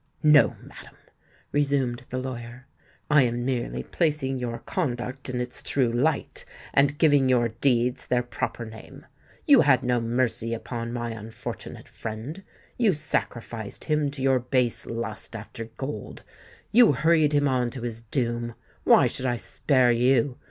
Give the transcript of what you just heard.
"No, madam," resumed the lawyer; "I am merely placing your conduct in its true light, and giving your deeds their proper name. You had no mercy upon my unfortunate friend;—you sacrificed him to your base lust after gold;—you hurried him on to his doom. Why should I spare you?